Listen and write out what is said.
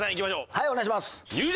はいお願いします。